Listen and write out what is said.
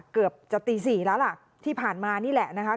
เกือบจะตี๔แล้วล่ะที่ผ่านมานี่แหละนะคะ